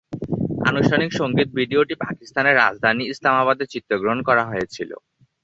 আনুষ্ঠানিক সংগীত ভিডিওটি পাকিস্তানের রাজধানী ইসলামাবাদে চিত্রগ্রহণ করা হয়েছিল।